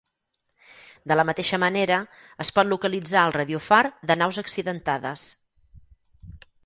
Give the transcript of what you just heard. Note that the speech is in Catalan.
De la mateixa manera, es pot localitzar el radiofar de naus accidentades.